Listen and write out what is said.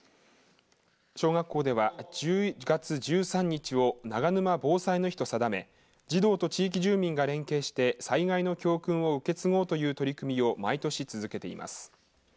小学校では１０月１３日を長沼防災の日と定め児童と地域住民が連携して災害の教訓を受け継ごうという取り組みを毎年続けています。